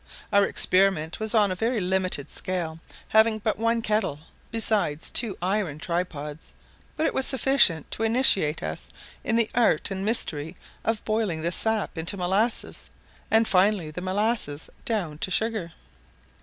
Our experiment was on a very limited scale, having but one kettle, besides two iron tripods; but it was sufficient to initiate us in the art and mystery of boiling the sap into molasses, and finally the molasses down to sugar.